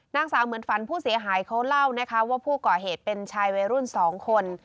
นางสาวเหมือนฝันผู้เสียหายเขาเล่านะคะว่าผู้ก่อเหตุเป็นชายวัยรุ่น๒คน